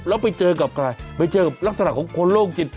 แล้วไปเจอกับใครไปเจอลักษณะของคนโลกจิต